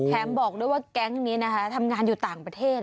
บอกด้วยว่าแก๊งนี้ทำงานอยู่ต่างประเทศ